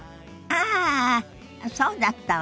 ああそうだったわね。